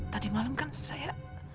tadi malam kan saya